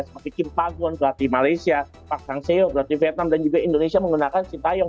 seperti kim pagwon pelatih malaysia pak sangseo pelatih vietnam dan juga indonesia menggunakan sintayong